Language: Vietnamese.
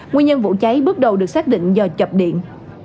nguyên nhân vụ cháy bước đầu được xác định do chập điện